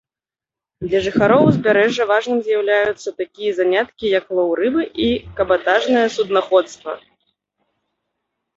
Для жыхароў узбярэжжа важным з'яўляюцца такія заняткі як лоў рыбы і кабатажнае суднаходства.